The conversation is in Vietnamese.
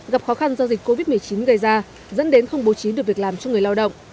gặp khó khăn do dịch covid một mươi chín gây ra dẫn đến không bố trí được việc làm cho người lao động